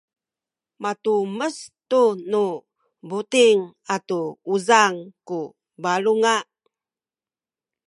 matumes tu nu buting atu uzang ku balunga